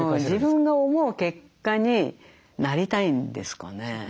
自分が思う結果になりたいんですかね。